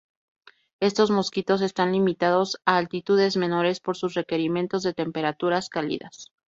Estos mosquitos están limitados a altitudes menores por sus requerimientos de temperaturas cálidas.